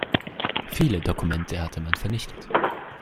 Viele Dokumente hatte man vernichtet.